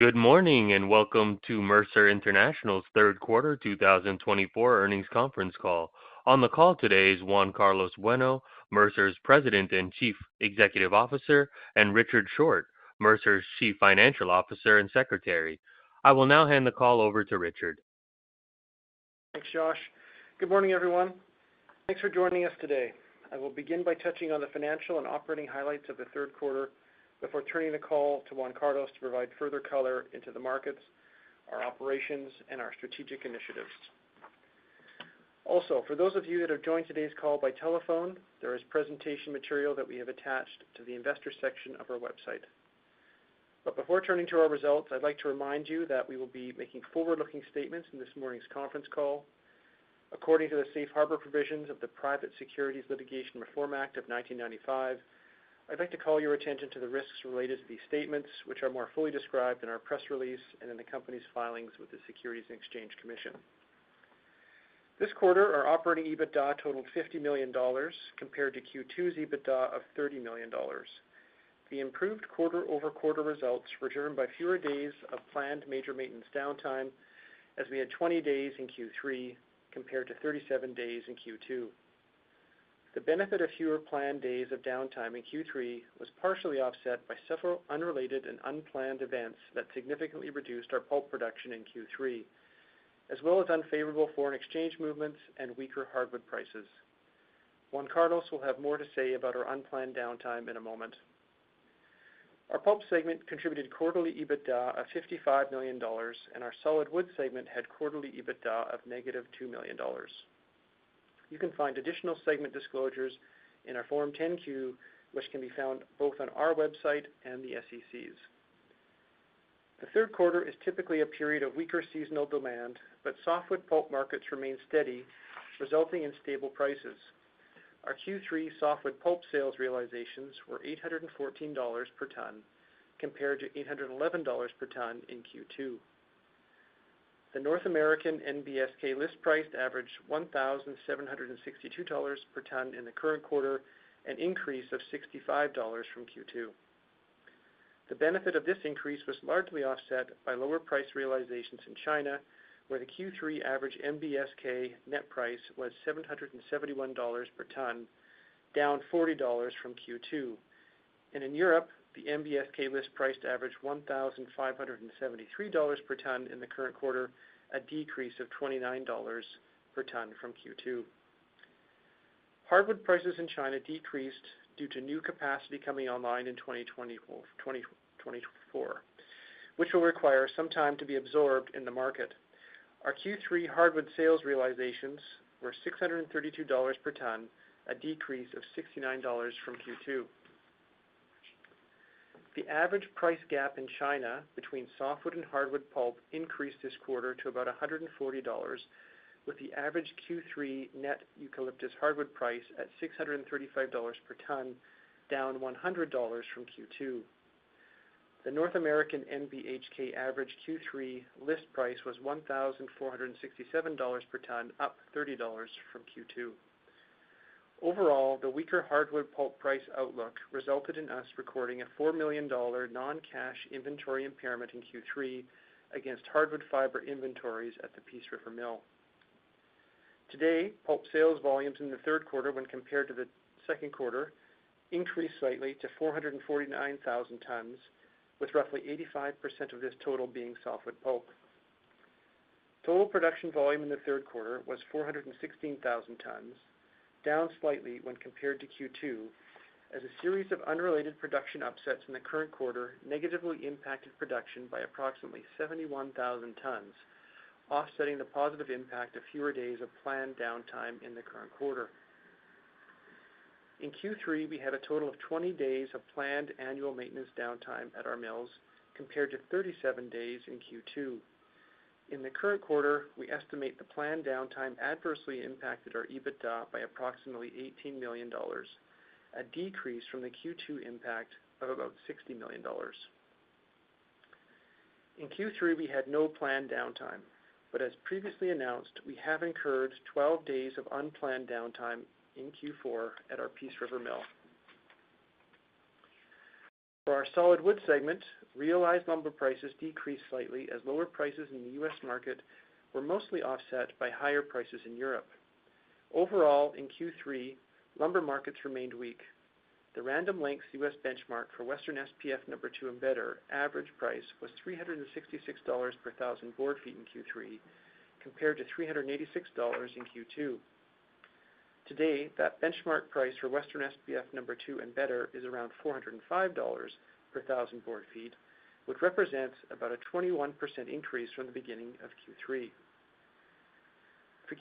Good morning and welcome to Mercer International's third quarter 2024 earnings conference call. On the call today is Juan Carlos Bueno, Mercer's President and Chief Executive Officer, and Richard Short, Mercer's Chief Financial Officer and Secretary. I will now hand the call over to Richard. Thanks, Josh. Good morning, everyone. Thanks for joining us today. I will begin by touching on the financial and operating highlights of the third quarter before turning the call to Juan Carlos to provide further color into the markets, our operations, and our strategic initiatives. Also, for those of you that have joined today's call by telephone, there is presentation material that we have attached to the investor section of our website. But before turning to our results, I'd like to remind you that we will be making forward-looking statements in this morning's conference call. According to the Safe Harbor Provisions of the Private Securities Litigation Reform Act of 1995, I'd like to call your attention to the risks related to these statements, which are more fully described in our press release and in the company's filings with the Securities and Exchange Commission. This quarter, our operating EBITDA totaled $50 million compared to Q2's EBITDA of $30 million. The improved quarter-over-quarter results were driven by fewer days of planned major maintenance downtime, as we had 20 days in Q3 compared to 37 days in Q2. The benefit of fewer planned days of downtime in Q3 was partially offset by several unrelated and unplanned events that significantly reduced our pulp production in Q3, as well as unfavorable foreign exchange movements and weaker hardwood prices. Juan Carlos will have more to say about our unplanned downtime in a moment. Our pulp segment contributed quarterly EBITDA of $55 million, and our solid wood segment had quarterly EBITDA of negative $2 million. You can find additional segment disclosures in our Form 10-Q, which can be found both on our website and the SEC's. The third quarter is typically a period of weaker seasonal demand, but softwood pulp markets remain steady, resulting in stable prices. Our Q3 softwood pulp sales realizations were $814 per ton compared to $811 per ton in Q2. The North American NBSK list price averaged $1,762 per ton in the current quarter, an increase of $65 from Q2. The benefit of this increase was largely offset by lower price realizations in China, where the Q3 average NBSK net price was $771 per ton, down $40 from Q2, and in Europe, the NBSK list price averaged $1,573 per ton in the current quarter, a decrease of $29 per ton from Q2. Hardwood prices in China decreased due to new capacity coming online in 2024, which will require some time to be absorbed in the market. Our Q3 hardwood sales realizations were $632 per ton, a decrease of $69 from Q2. The average price gap in China between softwood and hardwood pulp increased this quarter to about $140, with the average Q3 net eucalyptus hardwood price at $635 per ton, down $100 from Q2. The North American NBHK average Q3 list price was $1,467 per ton, up $30 from Q2. Overall, the weaker hardwood pulp price outlook resulted in us recording a $4 million non-cash inventory impairment in Q3 against hardwood fiber inventories at the Peace River Mill. Total pulp sales volumes in the third quarter, when compared to the second quarter, increased slightly to 449,000 tons, with roughly 85% of this total being softwood pulp. Total production volume in the third quarter was 416,000 tons, down slightly when compared to Q2, as a series of unrelated production upsets in the current quarter negatively impacted production by approximately 71,000 tons, offsetting the positive impact of fewer days of planned downtime in the current quarter. In Q3, we had a total of 20 days of planned annual maintenance downtime at our mills compared to 37 days in Q2. In the current quarter, we estimate the planned downtime adversely impacted our EBITDA by approximately $18 million, a decrease from the Q2 impact of about $60 million. In Q3, we had no planned downtime, but as previously announced, we have incurred 12 days of unplanned downtime in Q4 at our Peace River Mill. For our solid wood segment, realized lumber prices decreased slightly as lower prices in the U.S. market were mostly offset by higher prices in Europe. Overall, in Q3, lumber markets remained weak. The Random Lengths U.S. benchmark for Western SPF #2 and better average price was $366 per 1,000 board feet in Q3 compared to $386 in Q2. Today, that benchmark price for Western SPF #2 and better is around $405 per 1,000 board feet, which represents about a 21% increase from the beginning of Q3. For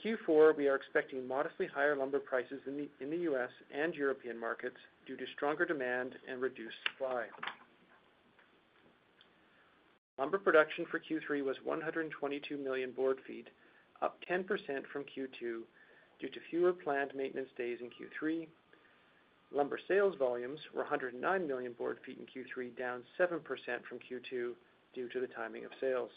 Q4, we are expecting modestly higher lumber prices in the U.S. and European markets due to stronger demand and reduced supply. Lumber production for Q3 was 122 million board feet, up 10% from Q2 due to fewer planned maintenance days in Q3. Lumber sales volumes were 109 million board feet in Q3, down 7% from Q2 due to the timing of sales.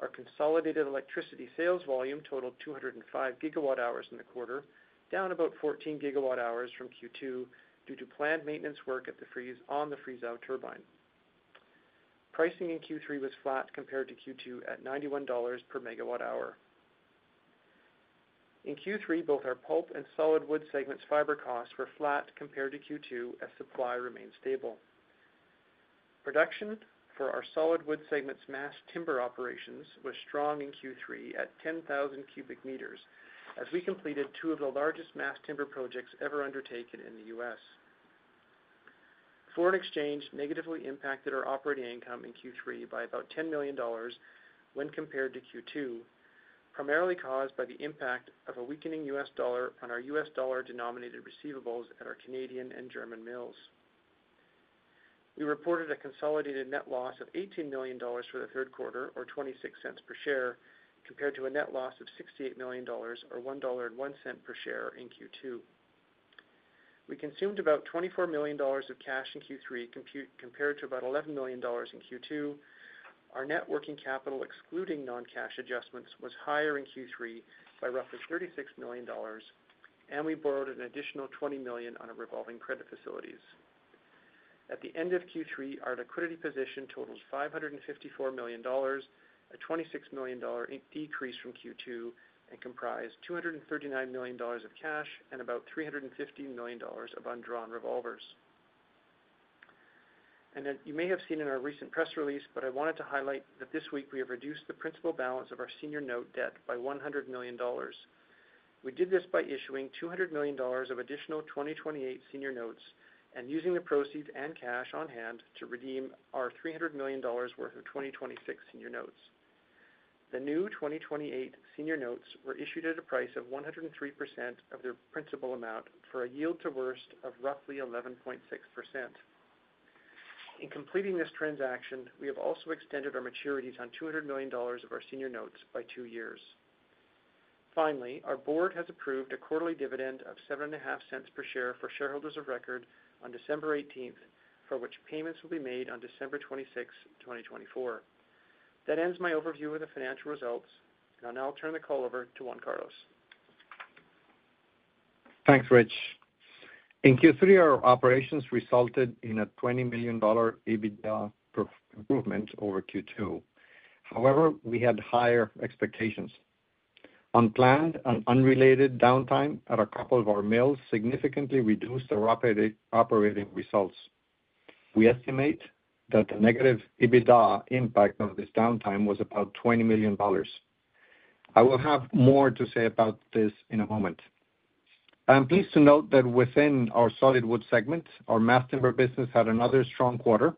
Our consolidated electricity sales volume totaled 205 gigawatt hours in the quarter, down about 14 gigawatt hours from Q2 due to planned maintenance work on the Friesau turbine. Pricing in Q3 was flat compared to Q2 at $91 per megawatt hour. In Q3, both our pulp and solid wood segments' fiber costs were flat compared to Q2, as supply remained stable. Production for our solid wood segments' mass timber operations was strong in Q3 at 10,000 cubic meters, as we completed two of the largest mass timber projects ever undertaken in the U.S. Foreign exchange negatively impacted our operating income in Q3 by about $10 million when compared to Q2, primarily caused by the impact of a weakening U.S. dollar on our U.S. dollar-denominated receivables at our Canadian and German mills. We reported a consolidated net loss of $18 million for the third quarter, or $0.26 per share, compared to a net loss of $68 million, or $1.01 per share in Q2. We consumed about $24 million of cash in Q3 compared to about $11 million in Q2. Our net working capital, excluding non-cash adjustments, was higher in Q3 by roughly $36 million, and we borrowed an additional $20 million on our revolving credit facilities. At the end of Q3, our liquidity position totaled $554 million, a $26 million decrease from Q2, and comprised $239 million of cash and about $350 million of undrawn revolvers. And you may have seen in our recent press release, but I wanted to highlight that this week we have reduced the principal balance of our senior note debt by $100 million. We did this by issuing $200 million of additional 2028 senior notes and using the proceeds and cash on hand to redeem our $300 million worth of 2026 senior notes. The new 2028 senior notes were issued at a price of 103% of their principal amount for a yield-to-worst of roughly 11.6%. In completing this transaction, we have also extended our maturities on $200 million of our senior notes by two years. Finally, our board has approved a quarterly dividend of $0.075 per share for shareholders of record on December 18th, for which payments will be made on December 26, 2024. That ends my overview of the financial results, and I'll now turn the call over to Juan Carlos. Thanks, Rich. In Q3, our operations resulted in a $20 million EBITDA improvement over Q2. However, we had higher expectations. Unplanned and unrelated downtime at a couple of our mills significantly reduced our operating results. We estimate that the negative EBITDA impact of this downtime was about $20 million. I will have more to say about this in a moment. I'm pleased to note that within our solid wood segment, our mass timber business had another strong quarter,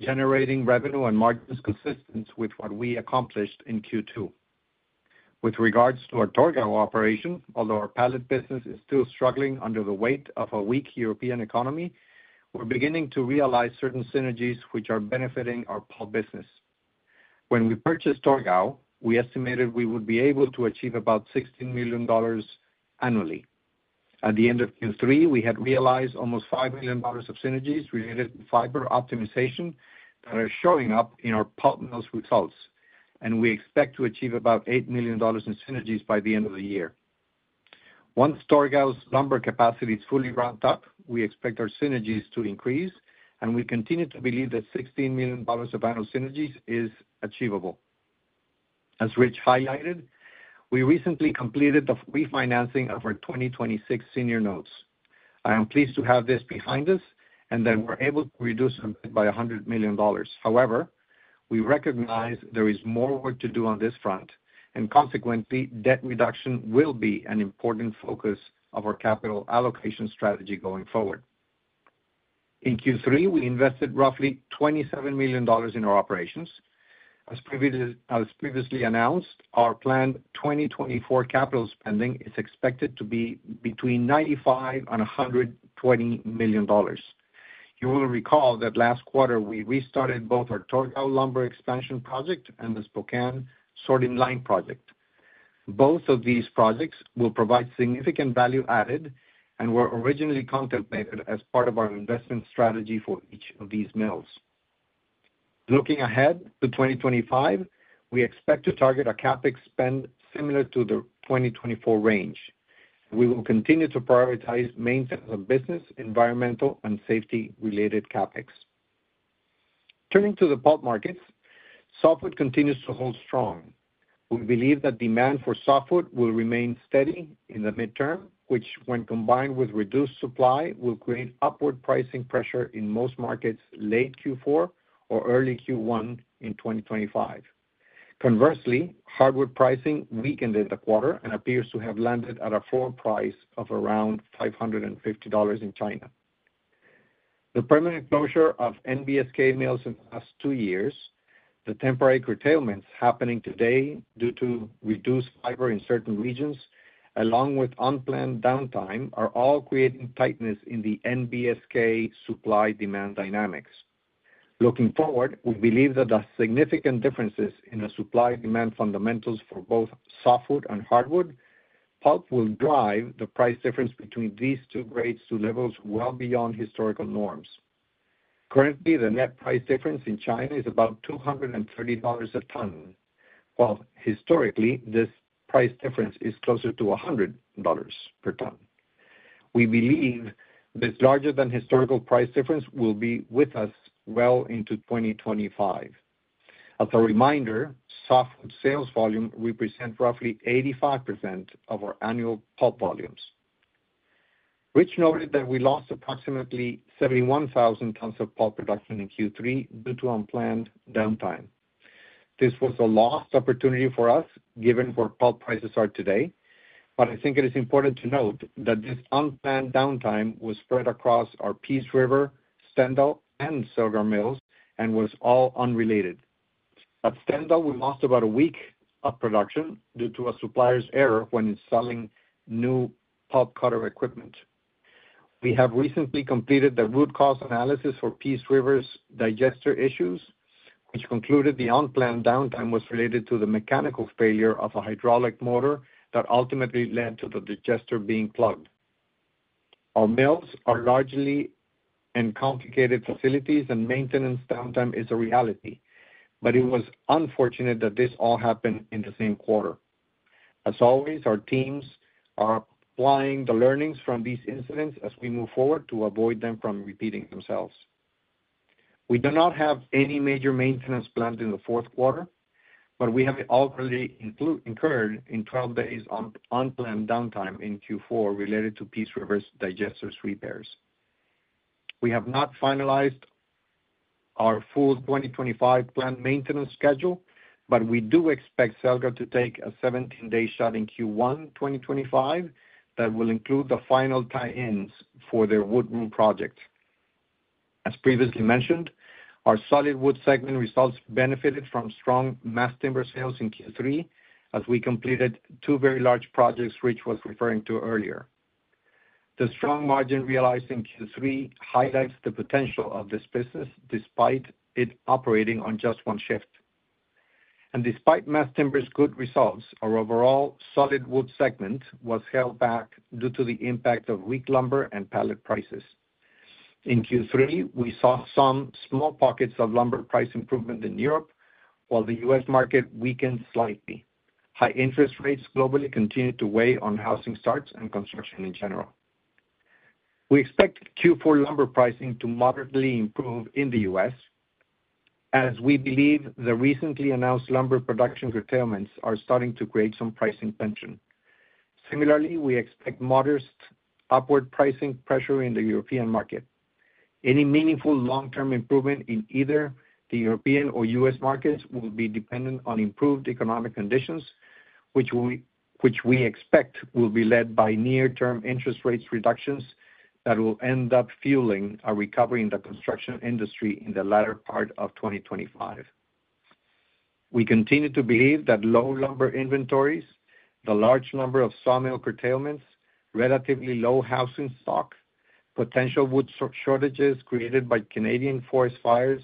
generating revenue and margins consistent with what we accomplished in Q2. With regards to our Torgau operation, although our pallet business is still struggling under the weight of a weak European economy, we're beginning to realize certain synergies which are benefiting our pulp business. When we purchased Torgau, we estimated we would be able to achieve about $16 million annually. At the end of Q3, we had realized almost $5 million of synergies related to fiber optimization that are showing up in our pulp mills' results, and we expect to achieve about $8 million in synergies by the end of the year. Once Torgau's lumber capacity is fully ramped up, we expect our synergies to increase, and we continue to believe that $16 million of annual synergies is achievable. As Rich highlighted, we recently completed the refinancing of our 2026 senior notes. I am pleased to have this behind us and that we're able to reduce by $100 million. However, we recognize there is more work to do on this front, and consequently, debt reduction will be an important focus of our capital allocation strategy going forward. In Q3, we invested roughly $27 million in our operations. As previously announced, our planned 2024 capital spending is expected to be between $95 million and $120 million. You will recall that last quarter we restarted both our Torgau lumber expansion project and the Spokane sorting line project. Both of these projects will provide significant value added and were originally contemplated as part of our investment strategy for each of these mills. Looking ahead to 2025, we expect to target a CapEx spend similar to the 2024 range. We will continue to prioritize maintenance of business, environmental, and safety-related CapEx. Turning to the pulp markets, softwood continues to hold strong. We believe that demand for softwood will remain steady in the midterm, which, when combined with reduced supply, will create upward pricing pressure in most markets late Q4 or early Q1 in 2025. Conversely, hardwood pricing weakened in the quarter and appears to have landed at a floor price of around $550 in China. The permanent closure of NBSK mills in the last two years, the temporary curtailments happening today due to reduced fiber in certain regions, along with unplanned downtime, are all creating tightness in the NBSK supply-demand dynamics. Looking forward, we believe that the significant differences in the supply-demand fundamentals for both softwood and hardwood pulp will drive the price difference between these two grades to levels well beyond historical norms. Currently, the net price difference in China is about $230 a ton, while historically this price difference is closer to $100 per ton. We believe this larger-than-historical price difference will be with us well into 2025. As a reminder, softwood sales volume represents roughly 85% of our annual pulp volumes. Rich noted that we lost approximately 71,000 tons of pulp production in Q3 due to unplanned downtime. This was a lost opportunity for us given where pulp prices are today, but I think it is important to note that this unplanned downtime was spread across our Peace River, Stendal, and Celgar mills and was all unrelated. At Stendal, we lost about a week of production due to a supplier's error when installing new pulp cutter equipment. We have recently completed the root cause analysis for Peace River's digester issues, which concluded the unplanned downtime was related to the mechanical failure of a hydraulic motor that ultimately led to the digester being plugged. Our mills are largely in complicated facilities, and maintenance downtime is a reality, but it was unfortunate that this all happened in the same quarter. As always, our teams are applying the learnings from these incidents as we move forward to avoid them from repeating themselves. We do not have any major maintenance planned in the fourth quarter, but we have already incurred 12 days of unplanned downtime in Q4 related to Peace River's digesters repairs. We have not finalized our full 2025 planned maintenance schedule, but we do expect Celgar to take a 17-day shot in Q1 2025 that will include the final tie-ins for their wood room projects. As previously mentioned, our solid wood segment results benefited from strong mass timber sales in Q3 as we completed two very large projects Rich was referring to earlier. The strong margin realized in Q3 highlights the potential of this business despite it operating on just one shift. Despite mass timber's good results, our overall solid wood segment was held back due to the impact of weak lumber and pallet prices. In Q3, we saw some small pockets of lumber price improvement in Europe, while the US market weakened slightly. High interest rates globally continue to weigh on housing starts and construction in general. We expect Q4 lumber pricing to moderately improve in the U.S., as we believe the recently announced lumber production curtailments are starting to create some pricing tension. Similarly, we expect moderate upward pricing pressure in the European market. Any meaningful long-term improvement in either the European or US markets will be dependent on improved economic conditions, which we expect will be led by near-term interest rate reductions that will end up fueling a recovery in the construction industry in the latter part of 2025. We continue to believe that low lumber inventories, the large number of sawmill curtailments, relatively low housing stock, potential wood shortages created by Canadian forest fires,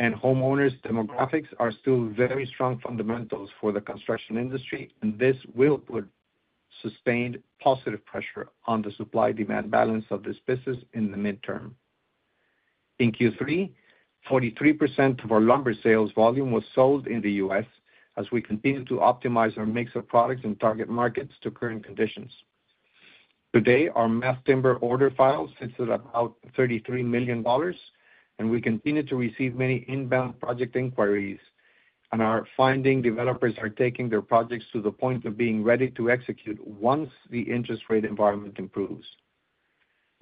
and homeowners' demographics are still very strong fundamentals for the construction industry, and this will put sustained positive pressure on the supply-demand balance of this business in the midterm. In Q3, 43% of our lumber sales volume was sold in the U.S. as we continue to optimize our mix of products and target markets to current conditions. Today, our mass timber order file sits at about $33 million, and we continue to receive many inbound project inquiries, and our funding developers are taking their projects to the point of being ready to execute once the interest rate environment improves.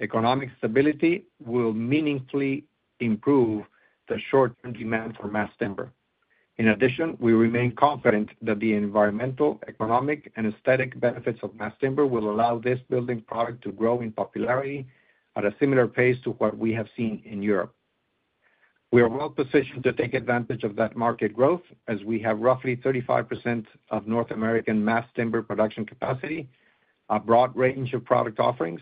Economic stability will meaningfully improve the short-term demand for mass timber. In addition, we remain confident that the environmental, economic, and aesthetic benefits of mass timber will allow this building product to grow in popularity at a similar pace to what we have seen in Europe. We are well positioned to take advantage of that market growth, as we have roughly 35% of North American mass timber production capacity, a broad range of product offerings,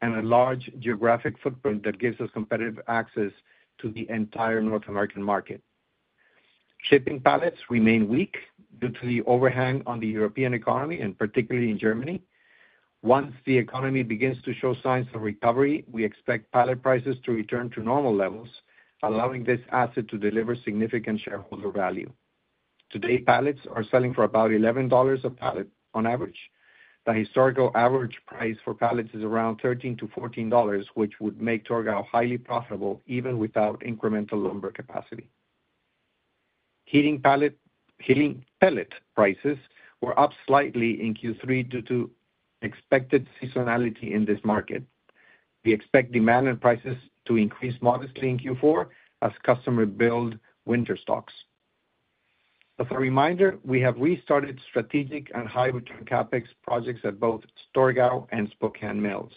and a large geographic footprint that gives us competitive access to the entire North American market. Shipping pallets remain weak due to the overhang on the European economy, and particularly in Germany. Once the economy begins to show signs of recovery, we expect pallet prices to return to normal levels, allowing this asset to deliver significant shareholder value. Today, pallets are selling for about $11 a pallet on average. The historical average price for pallets is around $13-$14, which would make Torgau highly profitable even without incremental lumber capacity. Heating pellet prices were up slightly in Q3 due to expected seasonality in this market. We expect demand and prices to increase modestly in Q4 as customers build winter stocks. As a reminder, we have restarted strategic and high-return CapEx projects at both Torgau and Spokane mills.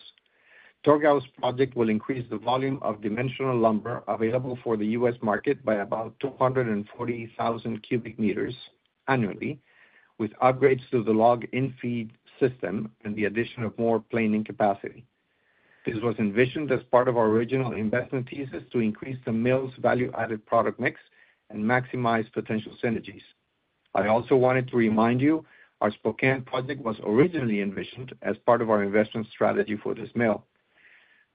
Torgau's project will increase the volume of dimensional lumber available for the U.S. market by about 240,000 cubic meters annually, with upgrades to the log in-feed system and the addition of more planing capacity. This was envisioned as part of our original investment thesis to increase the mill's value-added product mix and maximize potential synergies. I also wanted to remind you our Spokane project was originally envisioned as part of our investment strategy for this mill.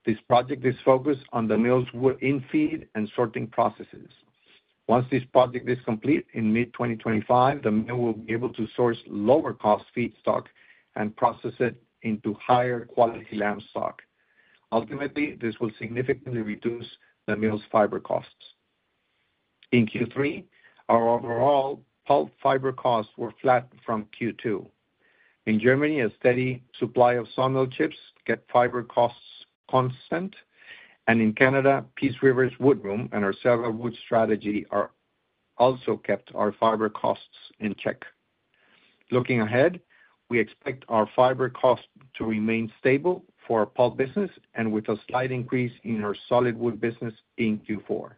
This project is focused on the mill's wood in-feed and sorting processes. Once this project is complete in mid-2025, the mill will be able to source lower-cost feed stock and process it into higher-quality lamstock. Ultimately, this will significantly reduce the mill's fiber costs. In Q3, our overall pulp fiber costs were flat from Q2. In Germany, a steady supply of sawmill chips kept fiber costs constant, and in Canada, Peace River's wood room and our Celgar wood strategy also kept our fiber costs in check. Looking ahead, we expect our fiber costs to remain stable for our pulp business and with a slight increase in our solid wood business in Q4.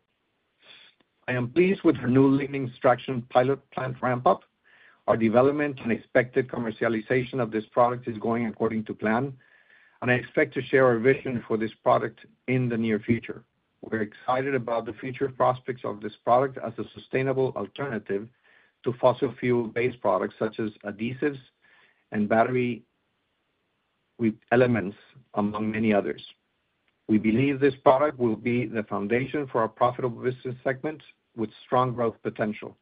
I am pleased with our new lignin pilot plant ramp-up. Our development and expected commercialization of this product is going according to plan, and I expect to share our vision for this product in the near future. We're excited about the future prospects of this product as a sustainable alternative to fossil-fuel-based products such as adhesives and battery elements, among many others. We believe this product will be the foundation for a profitable business segment with strong growth potential.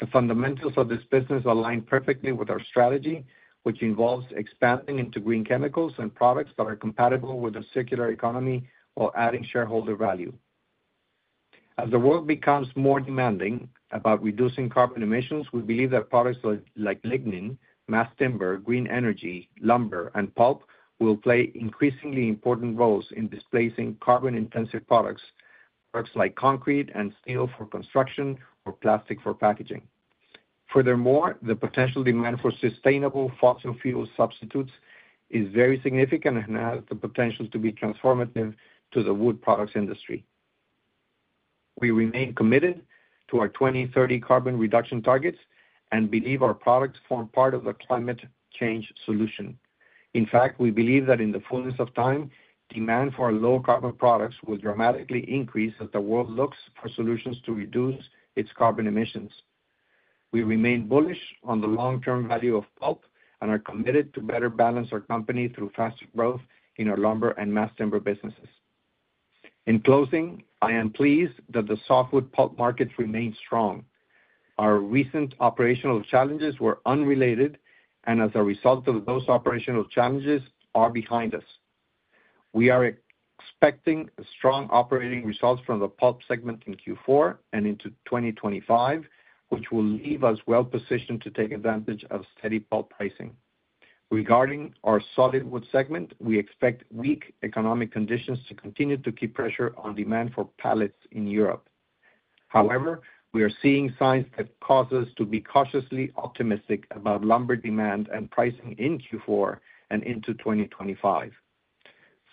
The fundamentals of this business align perfectly with our strategy, which involves expanding into green chemicals and products that are compatible with a circular economy while adding shareholder value. As the world becomes more demanding about reducing carbon emissions, we believe that products like lignin, mass timber, green energy, lumber, and pulp will play increasingly important roles in displacing carbon-intensive products, products like concrete and steel for construction or plastic for packaging. Furthermore, the potential demand for sustainable fossil-fuel substitutes is very significant and has the potential to be transformative to the wood products industry. We remain committed to our 2030 carbon reduction targets and believe our products form part of the climate change solution. In fact, we believe that in the fullness of time, demand for low-carbon products will dramatically increase as the world looks for solutions to reduce its carbon emissions. We remain bullish on the long-term value of pulp and are committed to better balance our company through faster growth in our lumber and mass timber businesses. In closing, I am pleased that the softwood pulp markets remain strong. Our recent operational challenges were unrelated, and as a result of those operational challenges, are behind us. We are expecting strong operating results from the pulp segment in Q4 and into 2025, which will leave us well positioned to take advantage of steady pulp pricing. Regarding our solid wood segment, we expect weak economic conditions to continue to keep pressure on demand for pallets in Europe. However, we are seeing signs that cause us to be cautiously optimistic about lumber demand and pricing in Q4 and into 2025.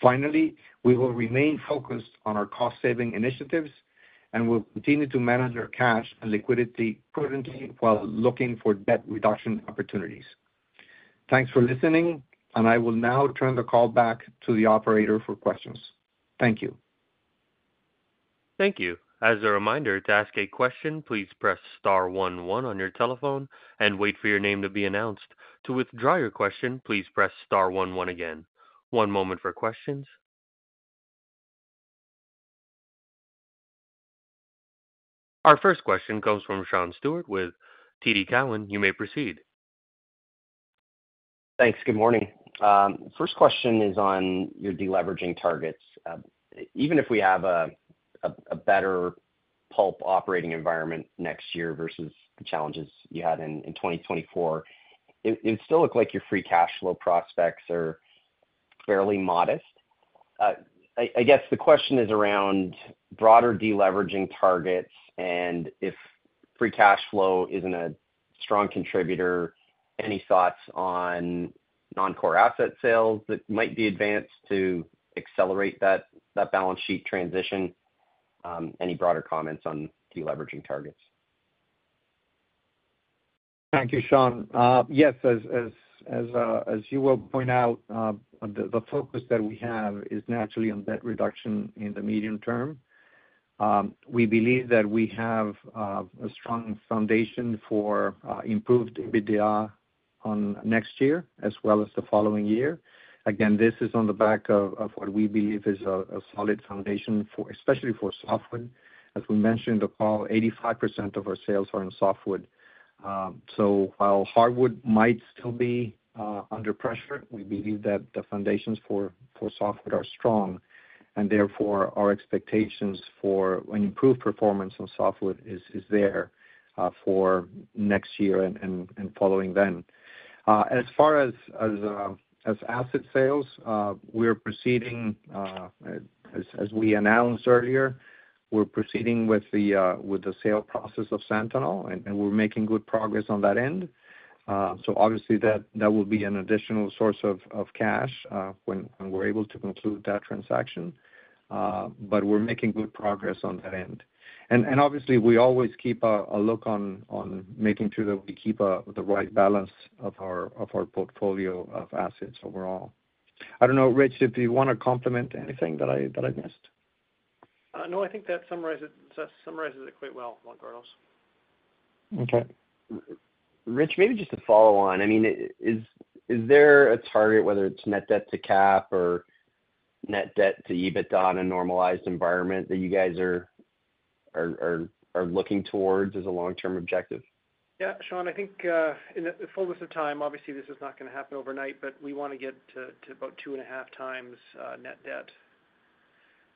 Finally, we will remain focused on our cost-saving initiatives and will continue to manage our cash and liquidity prudently while looking for debt reduction opportunities. Thanks for listening, and I will now turn the call back to the operator for questions. Thank you. Thank you. As a reminder, to ask a question, please press *11 on your telephone and wait for your name to be announced. To withdraw your question, please press * 11 again. One moment for questions. Our first question comes from Sean Steuart with TD Cowen. You may proceed. Thanks. Good morning. First question is on your deleveraging targets. Even if we have a better pulp operating environment next year versus the challenges you had in 2024, it would still look like your free cash flow prospects are fairly modest. I guess the question is around broader deleveraging targets and if free cash flow isn't a strong contributor, any thoughts on non-core asset sales that might be advanced to accelerate that balance sheet transition? Any broader comments on deleveraging targets? Thank you, Sean. Yes, as you will point out, the focus that we have is naturally on debt reduction in the medium term. We believe that we have a strong foundation for improved EBITDA next year as well as the following year. Again, this is on the back of what we believe is a solid foundation, especially for softwood. As we mentioned in the call, 85% of our sales are in softwood. So while hardwood might still be under pressure, we believe that the foundations for softwood are strong. And therefore, our expectations for an improved performance in softwood is there for next year and following then. As far as asset sales, we are proceeding, as we announced earlier, we're proceeding with the sale process of Santanol, and we're making good progress on that end. So obviously, that will be an additional source of cash when we're able to conclude that transaction. But we're making good progress on that end. And obviously, we always keep a look on making sure that we keep the right balance of our portfolio of assets overall. I don't know, Rich, if you want to comment on anything that I missed. No, I think that summarizes it quite well, Juan Carlos. Okay. Rich, maybe just to follow on, I mean, is there a target, whether it's net debt to cap or net debt to EBITDA in a normalized environment that you guys are looking towards as a long-term objective? Yeah, Sean, I think in the fullness of time, obviously, this is not going to happen overnight, but we want to get to about two and a half times net debt.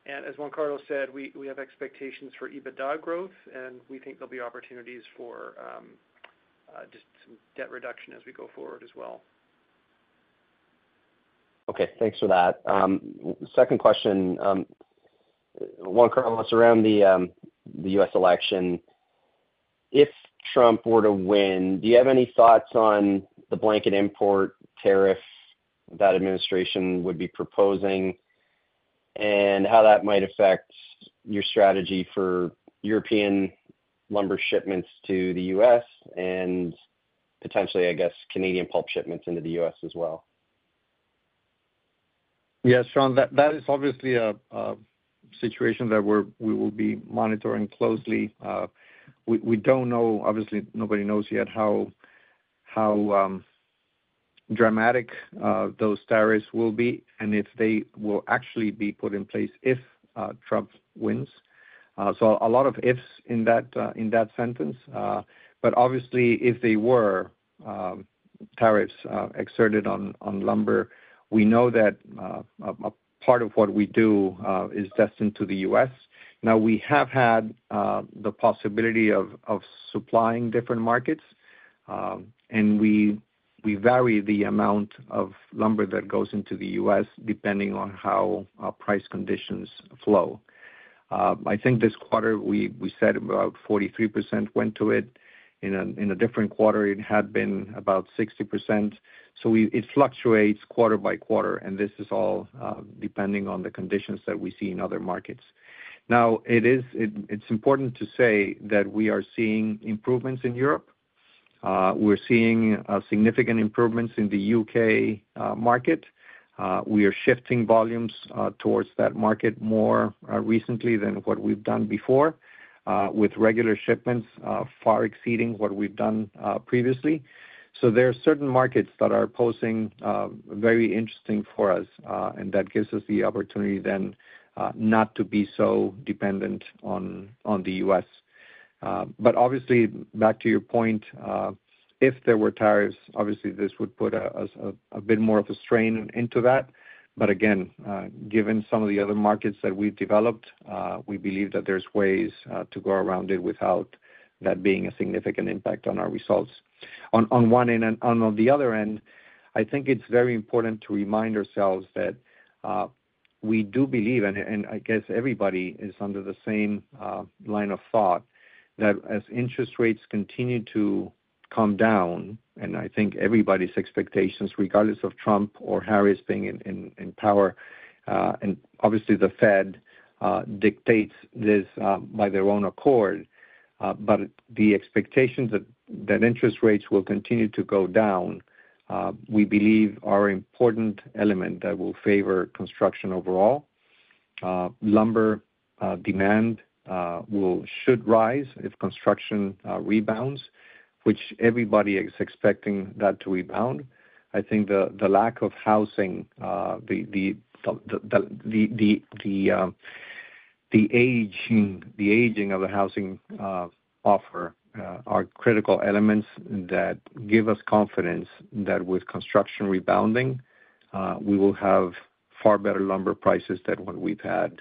And as Juan Carlos said, we have expectations for EBITDA growth, and we think there'll be opportunities for just some debt reduction as we go forward as well. Okay. Thanks for that. Second question, Juan Carlos, around the U.S. election. If Trump were to win, do you have any thoughts on the blanket import tariff that administration would be proposing and how that might affect your strategy for European lumber shipments to the U.S. and potentially, I guess, Canadian pulp shipments into the U.S. as well? Yes, Sean, that is obviously a situation that we will be monitoring closely. We don't know, obviously, nobody knows yet how dramatic those tariffs will be and if they will actually be put in place if Trump wins. So a lot of ifs in that sentence. But obviously, if they were tariffs exerted on lumber, we know that part of what we do is destined to the U.S. Now, we have had the possibility of supplying different markets, and we vary the amount of lumber that goes into the U.S. depending on how price conditions flow. I think this quarter, we said about 43% went to it. In a different quarter, it had been about 60%. So it fluctuates quarter by quarter, and this is all depending on the conditions that we see in other markets. Now, it's important to say that we are seeing improvements in Europe. We're seeing significant improvements in the U.K. market. We are shifting volumes towards that market more recently than what we've done before with regular shipments far exceeding what we've done previously. So there are certain markets that are posing very interesting for us, and that gives us the opportunity then not to be so dependent on the U.S. But obviously, back to your point, if there were tariffs, obviously, this would put a bit more of a strain into that. But again, given some of the other markets that we've developed, we believe that there's ways to go around it without that being a significant impact on our results. On one end, and on the other end, I think it's very important to remind ourselves that we do believe, and I guess everybody is under the same line of thought, that as interest rates continue to come down, and I think everybody's expectations, regardless of Trump or Harris being in power, and obviously, the Fed dictates this by their own accord, but the expectation that interest rates will continue to go down, we believe, are an important element that will favor construction overall. Lumber demand should rise if construction rebounds, which everybody is expecting that to rebound. I think the lack of housing, the aging of the housing offer are critical elements that give us confidence that with construction rebounding, we will have far better lumber prices than what we've had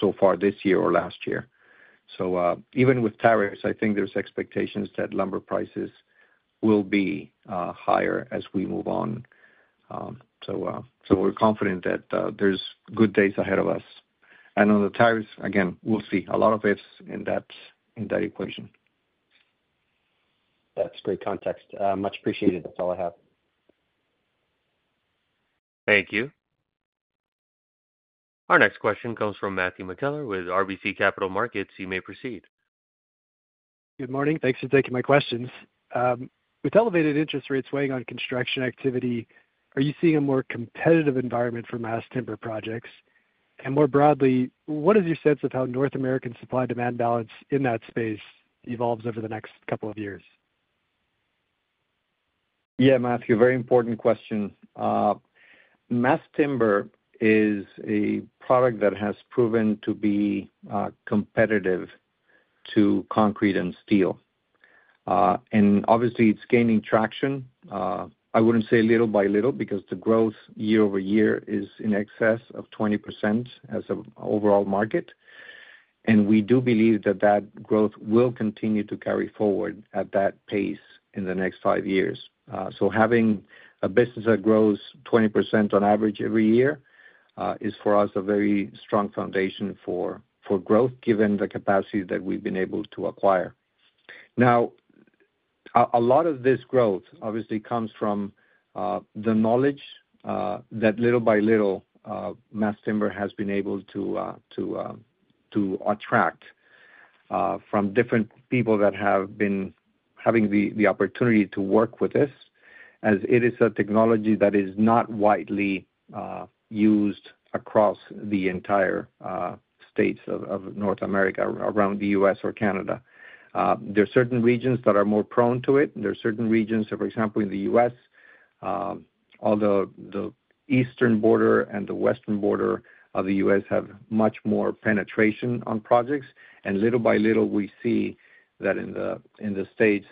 so far this year or last year. So even with tariffs, I think there's expectations that lumber prices will be higher as we move on. So we're confident that there's good days ahead of us, and on the tariffs, again, we'll see a lot of ifs in that equation. That's great context. Much appreciated. That's all I have. Thank you. Our next question comes from Matthew McKellar with RBC Capital Markets. You may proceed. Good morning. Thanks for taking my questions. With elevated interest rates weighing on construction activity, are you seeing a more competitive environment for mass timber projects? And more broadly, what is your sense of how North American supply-demand balance in that space evolves over the next couple of years? Yeah, Matthew, very important question. Mass timber is a product that has proven to be competitive to concrete and steel. And obviously, it's gaining traction. I wouldn't say little by little because the growth year over year is in excess of 20% as an overall market. And we do believe that that growth will continue to carry forward at that pace in the next five years. So having a business that grows 20% on average every year is, for us, a very strong foundation for growth given the capacity that we've been able to acquire. Now, a lot of this growth, obviously, comes from the knowledge that little by little, mass timber has been able to attract from different people that have been having the opportunity to work with this, as it is a technology that is not widely used across the entire states of North America, around the U.S. or Canada. There are certain regions that are more prone to it. There are certain regions, for example, in the U.S., although the eastern border and the western border of the US have much more penetration on projects. And little by little, we see that in the states,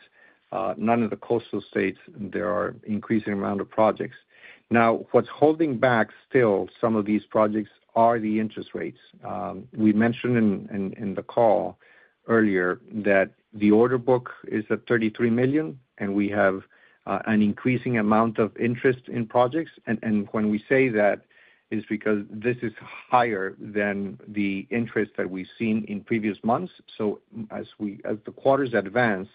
none of the coastal states, there are increasing amount of projects. Now, what's holding back still some of these projects are the interest rates. We mentioned in the call earlier that the order book is at $33 million, and we have an increasing amount of interest in projects, and when we say that is because this is higher than the interest that we've seen in previous months, so as the quarters advance,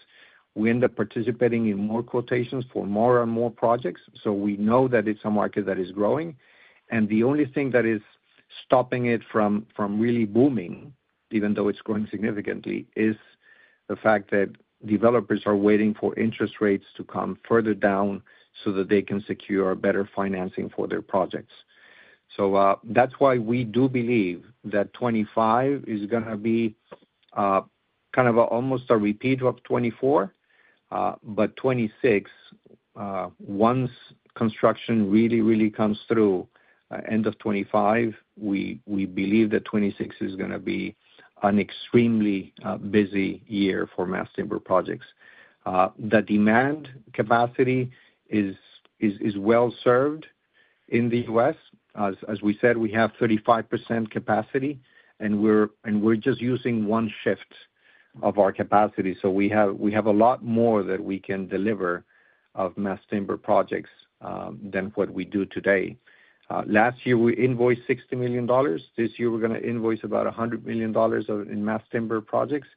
we end up participating in more quotations for more and more projects, so we know that it's a market that is growing. And the only thing that is stopping it from really booming, even though it's growing significantly, is the fact that developers are waiting for interest rates to come further down so that they can secure better financing for their projects, so that's why we do believe that 2025 is going to be kind of almost a repeat of 2024. But 2026, once construction really, really comes through, end of 2025, we believe that 2026 is going to be an extremely busy year for mass timber projects. The demand capacity is well served in the U.S. As we said, we have 35% capacity, and we're just using one shift of our capacity. So we have a lot more that we can deliver of mass timber projects than what we do today. Last year, we invoiced $60 million. This year, we're going to invoice about $100 million in mass timber projects.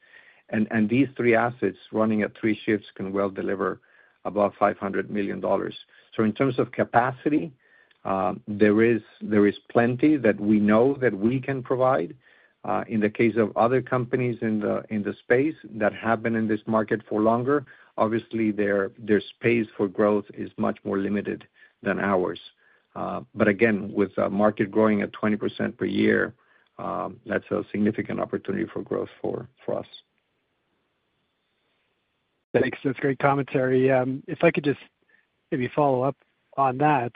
And these three assets running at three shifts can well deliver above $500 million. So in terms of capacity, there is plenty that we know that we can provide. In the case of other companies in the space that have been in this market for longer, obviously, their space for growth is much more limited than ours. But again, with a market growing at 20% per year, that's a significant opportunity for growth for us. Thanks. That's great commentary. If I could just maybe follow up on that,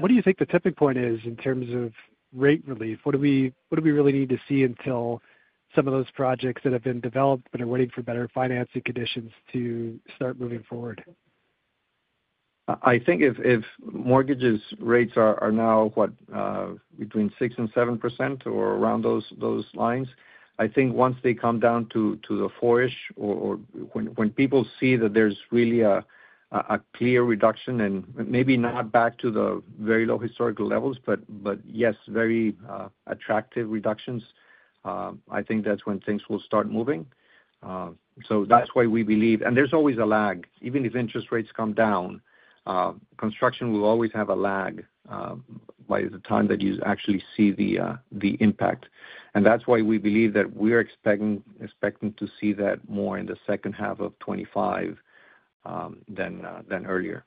what do you think the tipping point is in terms of rate relief? What do we really need to see until some of those projects that have been developed but are waiting for better financing conditions to start moving forward? I think if mortgage rates are now between 6% and 7% or around those lines, I think once they come down to the four-ish, or when people see that there's really a clear reduction, and maybe not back to the very low historical levels, but yes, very attractive reductions, I think that's when things will start moving. So that's why we believe, and there's always a lag. Even if interest rates come down, construction will always have a lag by the time that you actually see the impact, and that's why we believe that we're expecting to see that more in the second half of 2025 than earlier.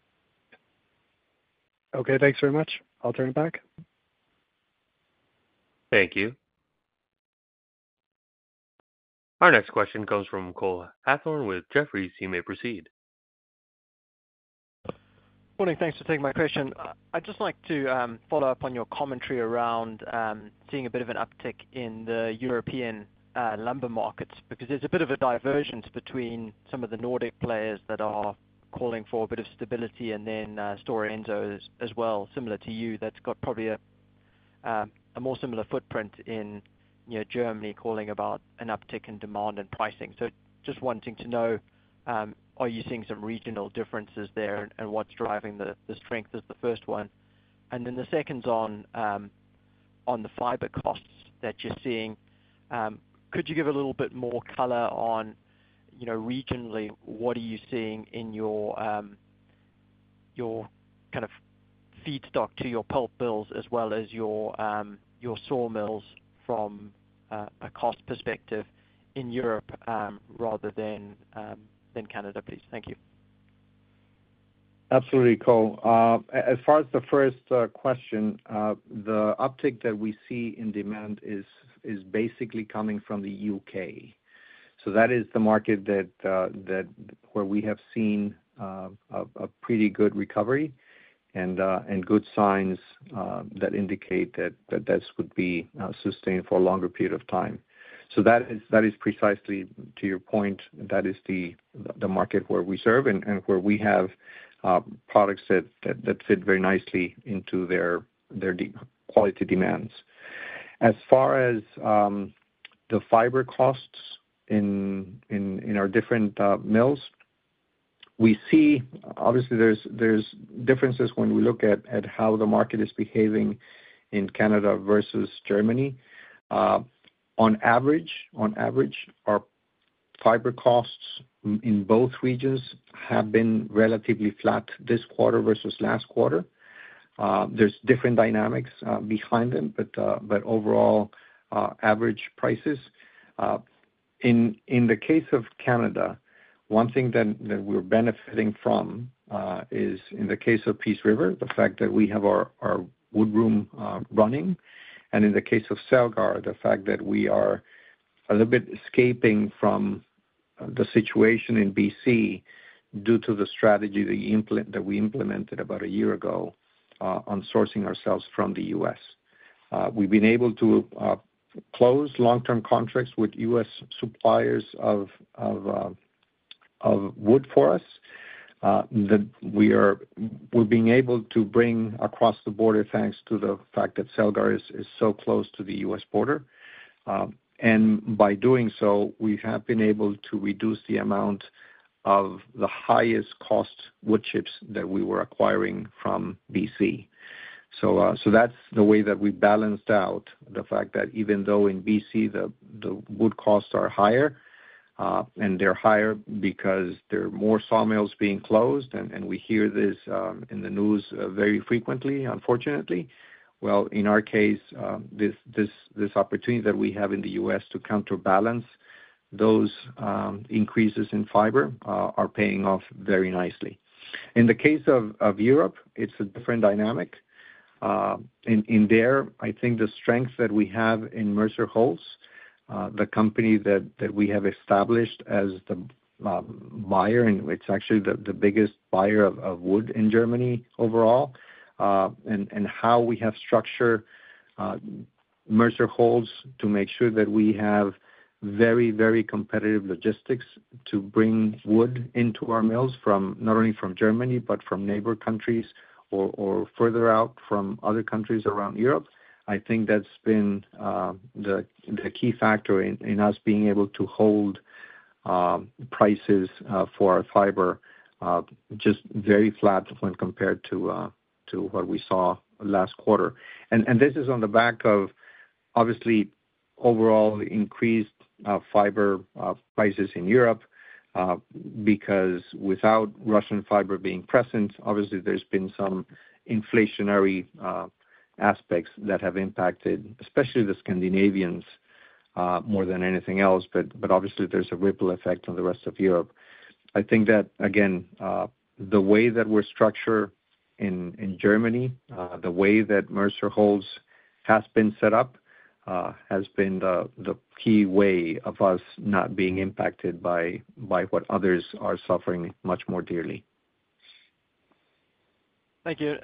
Okay. Thanks very much. I'll turn it back. Thank you. Our next question comes from Cole Hathorn with Jefferies. He may proceed. Good morning. Thanks for taking my question. I'd just like to follow up on your commentary around seeing a bit of an uptick in the European lumber markets because there's a bit of a divergence between some of the Nordic players that are calling for a bit of a stability and then Stora Enso as well, similar to you, that's got probably a more similar footprint in Germany calling about an uptick in demand and pricing. So just wanting to know, are you seeing some regional differences there and what's driving the strength? Is the first one. And then the second's on the fiber costs that you're seeing. Could you give a little bit more color on regionally, what are you seeing in your kind of feedstock to your pulp mills as well as your sawmills from a cost perspective in Europe rather than Canada, please? Thank you. Absolutely, Cole. As far as the first question, the uptick that we see in demand is basically coming from the U.K. So that is the market where we have seen a pretty good recovery and good signs that indicate that this would be sustained for a longer period of time. So that is precisely to your point, that is the market where we serve and where we have products that fit very nicely into their quality demands. As far as the fiber costs in our different mills, we see obviously there's differences when we look at how the market is behaving in Canada versus Germany. On average, our fiber costs in both regions have been relatively flat this quarter versus last quarter. There's different dynamics behind them, but overall, average prices. In the case of Canada, one thing that we're benefiting from is in the case of Peace River, the fact that we have our wood room running, and in the case of Celgar, the fact that we are a little bit escaping from the situation in B.C. due to the strategy that we implemented about a year ago on sourcing ourselves from the U.S. We've been able to close long-term contracts with U.S. suppliers of wood for us that we're being able to bring across the border thanks to the fact that Celgar is so close to the U.S. border. And by doing so, we have been able to reduce the amount of the highest-cost wood chips that we were acquiring from B.C. So that's the way that we balanced out the fact that even though in B.C., the wood costs are higher, and they're higher because there are more sawmills being closed, and we hear this in the news very frequently, unfortunately, well, in our case, this opportunity that we have in the U.S. to counterbalance those increases in fiber are paying off very nicely. In the case of Europe, it's a different dynamic. In there, I think the strength that we have in Mercer Holz, the company that we have established as the buyer, and it's actually the biggest buyer of wood in Germany overall, and how we have structured Mercer Holz to make sure that we have very, very competitive logistics to bring wood into our mills not only from Germany but from neighboring countries or further out from other countries around Europe, I think that's been the key factor in us being able to hold prices for our fiber just very flat when compared to what we saw last quarter. And this is on the back of, obviously, overall increased fiber prices in Europe because without Russian fiber being present, obviously, there's been some inflationary aspects that have impacted especially the Scandinavians more than anything else. But obviously, there's a ripple effect on the rest of Europe. I think that, again, the way that we're structured in Germany, the way that Mercer Holz has been set up, has been the key way of us not being impacted by what others are suffering much more dearly. Thank you.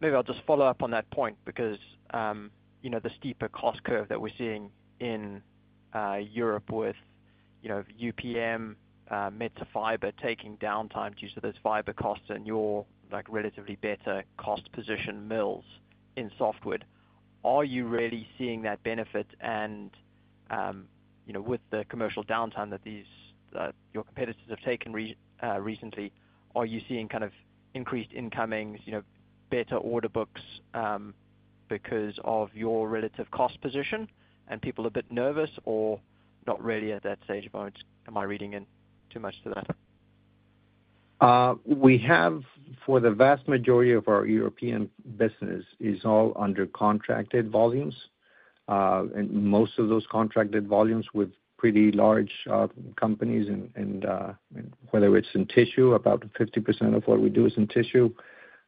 Maybe I'll just follow up on that point because the steeper cost curve that we're seeing in Europe with UPM, Metsä Fibre taking downtime due to those fiber costs and your relatively better cost position mills in softwood, are you really seeing that benefit? And with the commercial downtime that your competitors have taken recently, are you seeing kind of increased incomings, better order books because of your relative cost position, and people are a bit nervous or not really at that stage of, "Am I reading in too much to that?" We have, for the vast majority of our European business, is all under contracted volumes. And most of those contracted volumes with pretty large companies, and whether it's in tissue, about 50% of what we do is in tissue.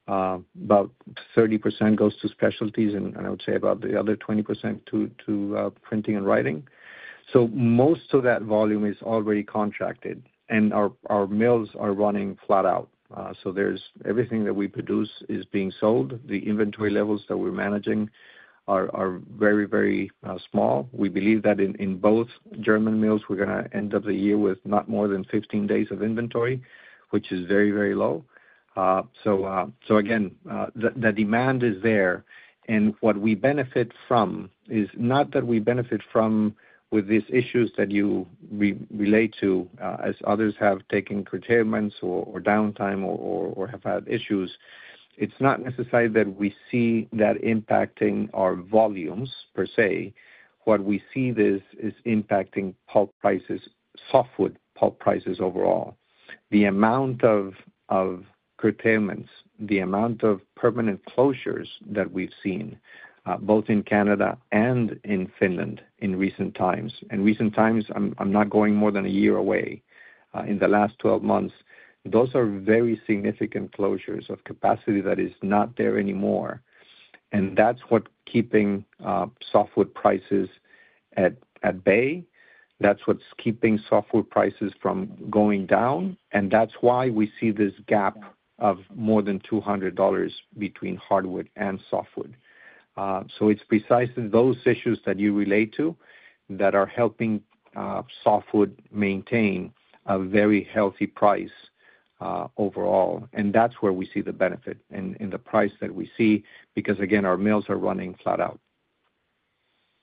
About 30% goes to specialties, and I would say about the other 20% to printing and writing. So most of that volume is already contracted, and our mills are running flat out. So everything that we produce is being sold. The inventory levels that we're managing are very, very small. We believe that in both German mills, we're going to end of the year with not more than 15 days of inventory, which is very, very low. So again, the demand is there. And what we benefit from is not that we benefit from with these issues that you relate to, as others have taken curtailments or downtime or have had issues. It's not necessarily that we see that impacting our volumes per se. What we see is impacting softwood pulp prices overall. The amount of curtailments, the amount of permanent closures that we've seen, both in Canada and in Finland in recent times, and recent times, I'm not going more than a year away, in the last 12 months, those are very significant closures of capacity that is not there anymore. And that's what's keeping softwood prices at bay. That's what's keeping softwood prices from going down. And that's why we see this gap of more than $200 between hardwood and softwood. So it's precisely those issues that you relate to that are helping softwood maintain a very healthy price overall. And that's where we see the benefit in the price that we see because, again, our mills are running flat out.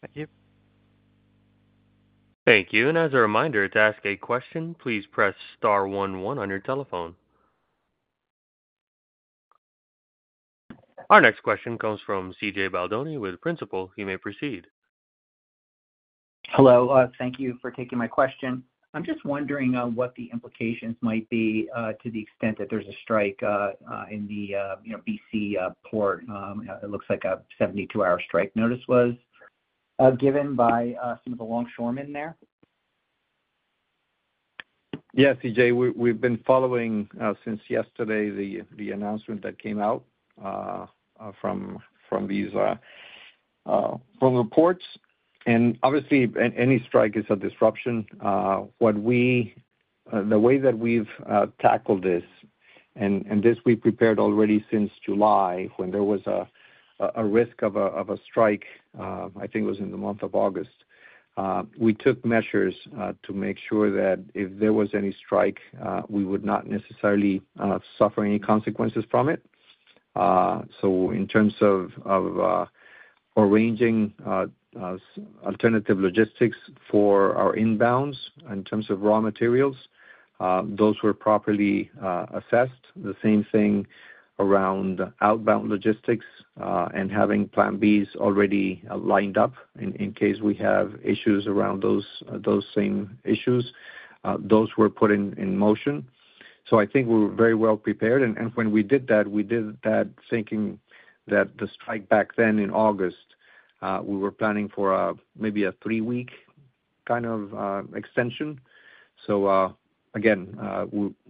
Thank you. Thank you. And as a reminder, to ask a question, please press *11 on your telephone. Our next question comes from CJ Baldoni with Principal. You may proceed. Hello. Thank you for taking my question. I'm just wondering what the implications might be to the extent that there's a strike in the BC port. It looks like a 72-hour strike notice was given by some of the longshoremen there. Yeah, CJ, we've been following since yesterday the announcement that came out from these reports, and obviously, any strike is a disruption. The way that we've tackled this, and this we prepared already since July when there was a risk of a strike, I think it was in the month of August, we took measures to make sure that if there was any strike, we would not necessarily suffer any consequences from it, so in terms of arranging alternative logistics for our inbounds in terms of raw materials, those were properly assessed. The same thing around outbound logistics and having plan Bs already lined up in case we have issues around those same issues. Those were put in motion. So I think we were very well prepared, and when we did that, we did that thinking that the strike back then in August, we were planning for maybe a three-week kind of extension. So again,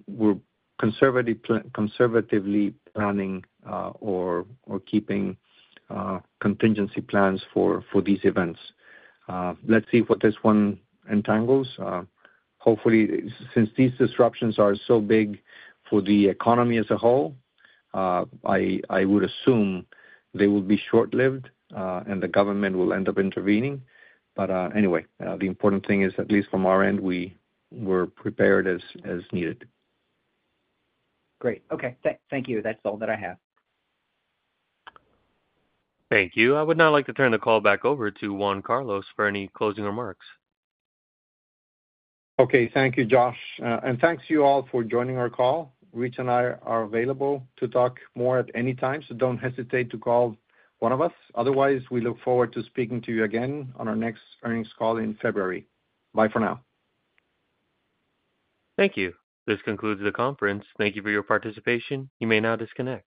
we're conservatively planning or keeping contingency plans for these events. Let's see what this one entangles. Hopefully, since these disruptions are so big for the economy as a whole, I would assume they will be short-lived and the government will end up intervening, but anyway, the important thing is, at least from our end, we were prepared as needed. Great. Okay. Thank you. That's all that I have. Thank you. I would now like to turn the call back over to Juan Carlos for any closing remarks. Okay. Thank you, Josh. And thanks to you all for joining our call. Rich and I are available to talk more at any time, so don't hesitate to call one of us. Otherwise, we look forward to speaking to you again on our next earnings call in February. Bye for now. Thank you. This concludes the conference. Thank you for your participation. You may now disconnect.